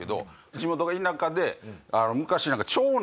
地元が田舎で昔。